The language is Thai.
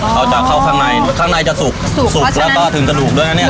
เขาจะเข้าข้างในข้างในจะสุกสุกเพราะฉะนั้นสุกแล้วก็ถึงกระดูกด้วยน่ะเนี้ย